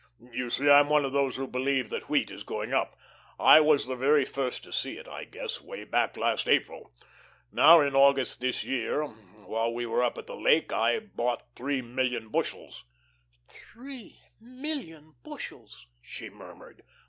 You see, I'm one of those who believe that wheat is going up. I was the very first to see it, I guess, way back last April. Now in August this year, while we were up at the lake, I bought three million bushels." "Three million bushels!" she murmured.